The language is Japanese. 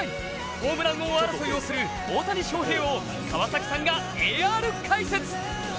ホームラン王争いをする大谷翔平を川崎さんがＡＲ解説。